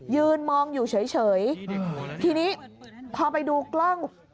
ยืนมองอยู่เฉยทีนี้พอไปดูกล้อง